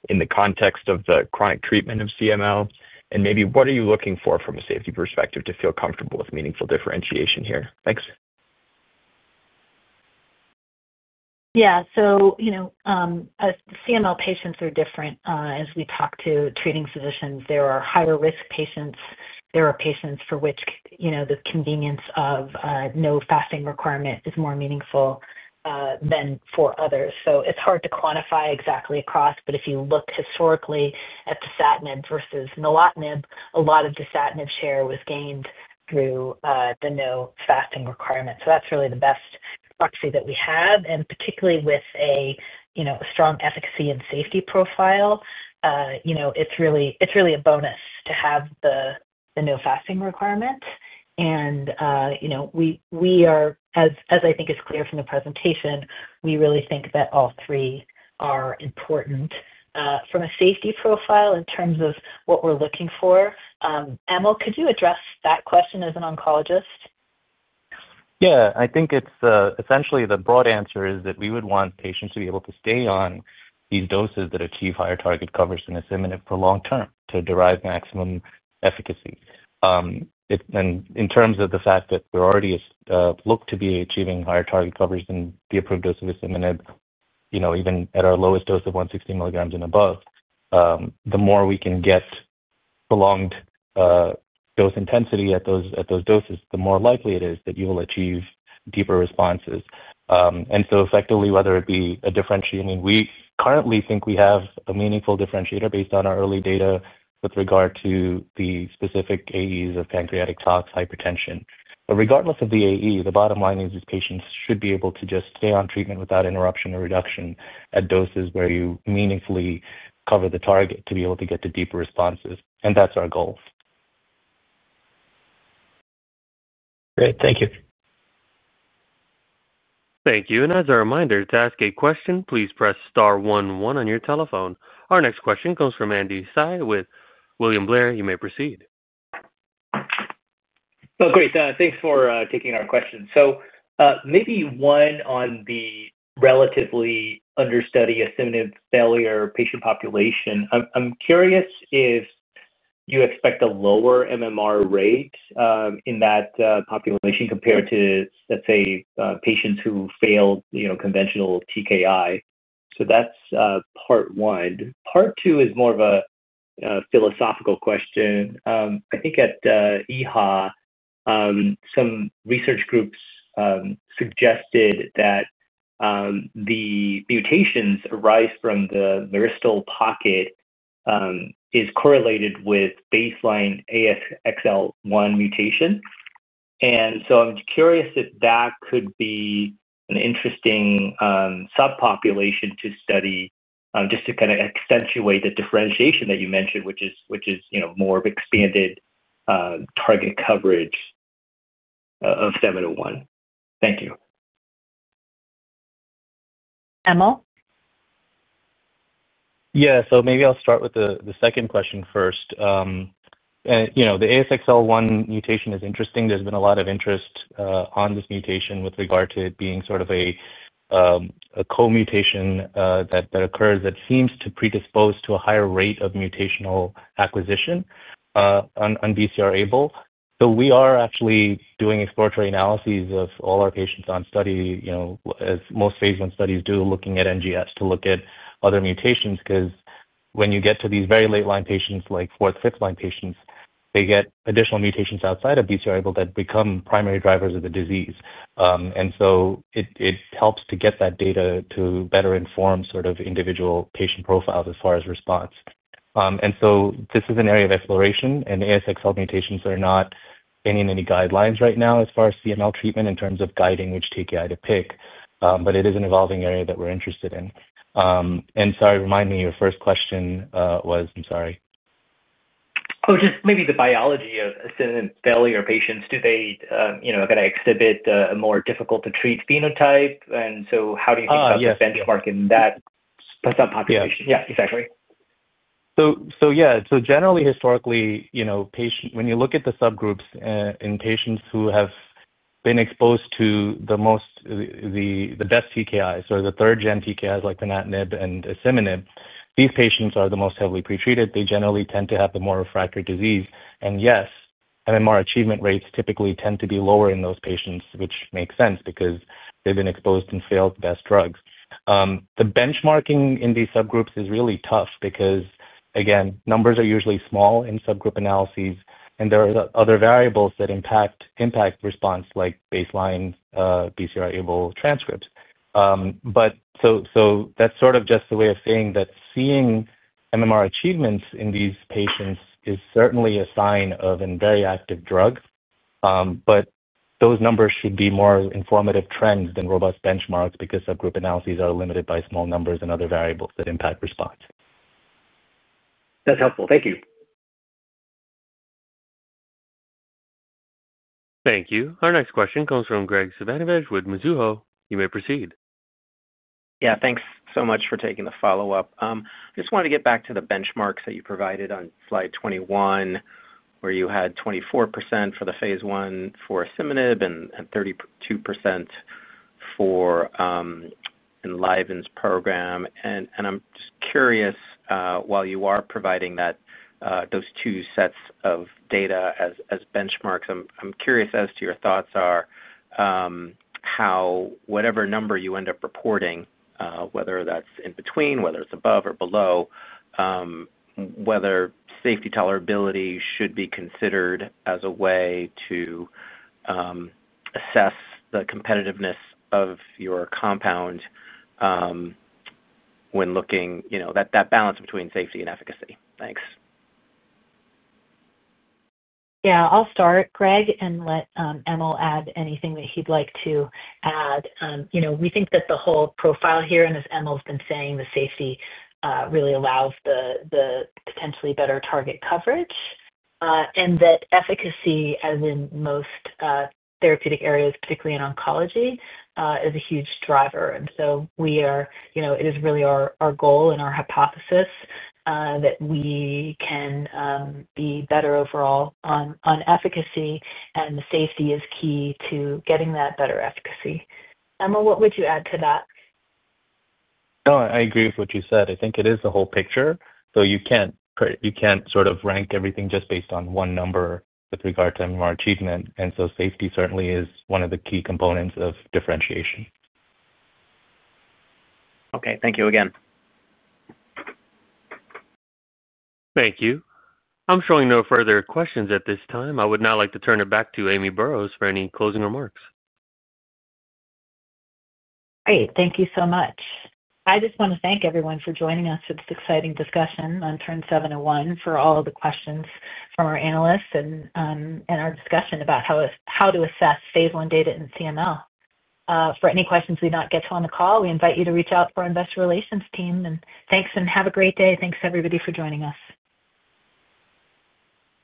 in the context of the chronic treatment of CML. And maybe what are you looking for from a safety perspective to feel comfortable with meaningful differentiation here? Thanks. Yeah. So, you know, CML patients are different, as we talk to treating physicians. There are higher-risk patients. There are patients for which, you know, the convenience of, no fasting requirement is more meaningful, than for others. So it's hard to quantify exactly across, but if you look historically at dasatinib versus nilotinib, a lot of dasatinib share was gained through, the no fasting requirement. So that's really the best proxy that we have, and particularly with a, you know, strong efficacy and safety profile, you know, it's really, it's really a bonus to have the, the no fasting requirement. And, you know, we are, as I think is clear from the presentation, we really think that all three are important. From a safety profile in terms of what we're looking for, Emil, could you address that question as an oncologist? Yeah. I think it's essentially the broad answer is that we would want patients to be able to stay on these doses that achieve higher target coverage than asciminib for long term to derive maximum efficacy. And in terms of the fact that they're already looked to be achieving higher target coverage than the approved dose of asciminib, you know, even at our lowest dose of 160 milligrams and above, the more we can get prolonged dose intensity at those doses, the more likely it is that you will achieve deeper responses. And so effectively, whether it be a differentiating, we currently think we have a meaningful differentiator based on our early data with regard to the specific AEs of pancreatic toxicity hypertension. But regardless of the AE, the bottom line is patients should be able to just stay on treatment without interruption or reduction at doses where you meaningfully cover the target to be able to get to deeper responses, and that's our goal. Great. Thank you. Thank you. And as a reminder, to ask a question, please press star one one on your telephone. Our next question comes from Andy Hsieh with William Blair. You may proceed. Oh, great. Thanks for taking our question. So, maybe one on the relatively understudied asciminib failure patient population. I'm curious if you expect a lower MMR rate in that population compared to, let's say, patients who failed, you know, conventional TKI. So that's part one. Part two is more of a philosophical question. I think at EHA, some research groups suggested that the mutations arise from the myristate pocket is correlated with baseline ASXL1 mutation. And so I'm curious if that could be an interesting subpopulation to study, just to kinda accentuate the differentiation that you mentioned, which is, you know, more of expanded target coverage of 701. Thank you. Emil? Yeah. So maybe I'll start with the second question first. And, you know, the ASXL1 mutation is interesting. There's been a lot of interest on this mutation with regard to it being sort of a co-mutation that occurs that seems to predispose to a higher rate of mutational acquisition on BCR-ABL. So we are actually doing exploratory analyses of all our patients on study, you know, as most phase I studies do, looking at NGS to look at other mutations. Because when you get to these very late line patients, like fourth, fifth-line patients, they get additional mutations outside of BCR-ABL that become primary drivers of the disease, and so it helps to get that data to better inform sort of individual patient profiles as far as response. And so this is an area of exploration, and ASXL1 mutations are not in any guidelines right now as far as CML treatment in terms of guiding which TKI to pick, but it is an evolving area that we're interested in. And sorry, remind me. Your first question was? I'm sorry. Oh, just maybe the biology of asciminib failure patients. Do they, you know, kinda exhibit a more difficult to treat phenotype? And so how do you- Ah, yes. Think about benchmarking that?... That's that population. Yeah, exactly. Yeah, generally, historically, you know, patients when you look at the subgroups, in patients who have been exposed to the most, the best TKI, so the third-gen TKIs like ponatinib and asciminib, these patients are the most heavily pretreated. They generally tend to have the more refractory disease. Yes, MMR achievement rates typically tend to be lower in those patients, which makes sense because they've been exposed and failed best drugs. The benchmarking in these subgroups is really tough because, again, numbers are usually small in subgroup analyses, and there are other variables that impact response, like baseline BCR-ABL transcripts. That's sort of just a way of saying that seeing MMR achievements in these patients is certainly a sign of a very active drug. But those numbers should be more informative trends than robust benchmarks because subgroup analyses are limited by small numbers and other variables that impact response. That's helpful. Thank you. Thank you. Our next question comes from Graig Suvannavejh with Mizuho. You may proceed. Yeah, thanks so much for taking the follow-up. Just wanted to get back to the benchmarks that you provided on slide 21, where you had 24% for the phase I for asciminib and 32% for Enliven's program. And I'm just curious, while you are providing that those two sets of data as benchmarks, I'm curious as to your thoughts are how whatever number you end up reporting, whether that's in between, whether it's above or below, whether safety tolerability should be considered as a way to assess the competitiveness of your compound, when looking, you know, that that balance between safety and efficacy. Thanks. Yeah. I'll start, Graig, and let Emil add anything that he'd like to add. You know, we think that the whole profile here, and as Emil's been saying, the safety really allows the potentially better target coverage, and that efficacy, as in most therapeutic areas, particularly in oncology, is a huge driver. And so we are, you know, it is really our goal and our hypothesis that we can be better overall on efficacy, and the safety is key to getting that better efficacy. Emil, what would you add to that? No, I agree with what you said. I think it is the whole picture, so you can't, you can't sort of rank everything just based on one number with regard to MMR achievement, and so safety certainly is one of the key components of differentiation. Okay. Thank you again. Thank you. I'm showing no further questions at this time. I would now like to turn it back to Amy Burroughs for any closing remarks. Great. Thank you so much. I just want to thank everyone for joining us for this exciting discussion on TERN-701, for all of the questions from our analysts, and our discussion about how to assess phase one data in CML. For any questions we did not get to on the call, we invite you to reach out to our investor relations team, and thanks and have a great day. Thanks, everybody, for joining us.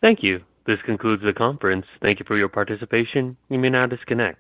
Thank you. This concludes the conference. Thank you for your participation. You may now disconnect.